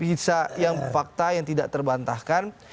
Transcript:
itu fakta yang tidak terbantahkan